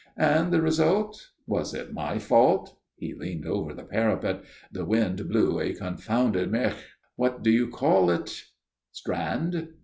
"And the result? Was it my fault? We leaned over the parapet. The wind blew a confounded mèche what do you call it ?" "Strand?"